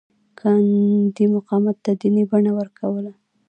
ګاندي مقاومت ته دیني بڼه ورکوله.